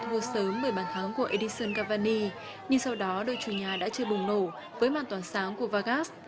chúng tôi đã chơi rất sớm bởi bàn thắng của edison cavani nhưng sau đó đội chủ nhà đã chơi bùng nổ với màn toàn sáng của vargas